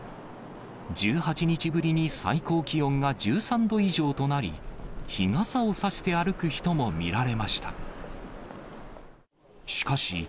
１８日ぶりに最高気温が１３度以上となり、日傘を差して歩く人も見られました。